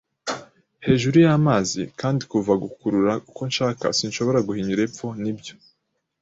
hejuru y'amazi, kandi kuva, gukurura uko nshaka, sinshobora guhinyura epfo, nibyo